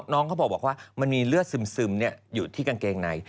น้องเขาบอกว่ามันมีเลือดซึมอยู่ที่กางเกงใน